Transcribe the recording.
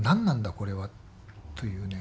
これは」というね。